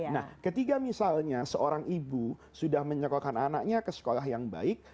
nah ketika misalnya seorang ibu sudah menyekohkan anaknya ke sekolah yang baik